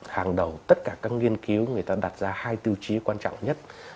hàng đầu tất cả các nghiên cứu người ta đặt ra hai tiêu chí quan trọng nhất